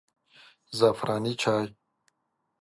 زعفراني چای